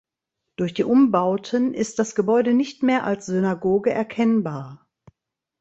Durch die Umbauten ist das Gebäude nicht mehr als Synagoge erkennbar.